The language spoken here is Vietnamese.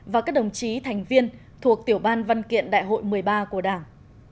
và các đồng chí thành viên thuộc tiểu ban văn kiện đại hội một mươi ba của đảng